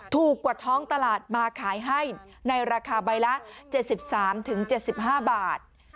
ถูกกว่าท้องตลาดมาขายให้ในราคาใบละ๗๓๗๕บาท